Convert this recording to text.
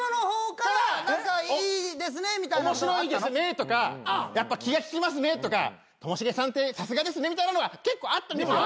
面白いですねとかやっぱ気が利きますねとかともしげさんってさすがですねみたいなのが結構あったんですよ。